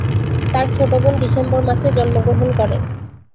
তার ছোট বোন ডিসেম্বর মাসে জন্মগ্রহণ করে।